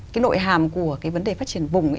cái nội hàm của cái vấn đề phát triển vùng ấy